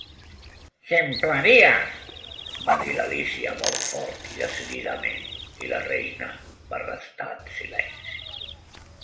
"Ximpleries" va dir l'Alícia, molt fort i decididament, i la Reina va restar en silenci.